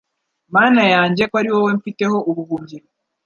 Mana yanjye ko ari wowe mfiteho ubuhungiro